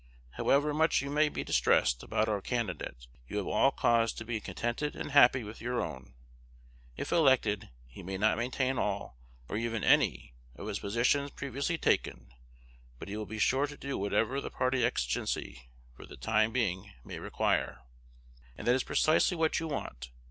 However much you may be distressed about our candidate, you have all cause to be contented and happy with your own. If elected, he may not maintain all, or even any, of his positions previously taken; but he will be sure to do whatever the party exigency, for the time being, may require; and that is precisely what you want.